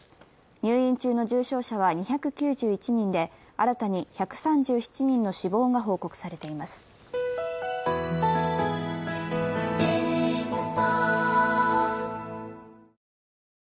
入院中の重症者は２９１人で、新たに１３７人の死亡が報告されています。